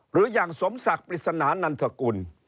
หรืออย่างสมศักดิ์ปริศนานันทกุล